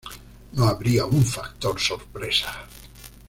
No habría un factor sorpresa.